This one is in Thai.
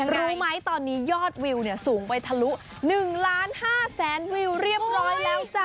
รู้ไหมตอนนี้ยอดวิวสูงไปทะลุ๑ล้าน๕แสนวิวเรียบร้อยแล้วจ้ะ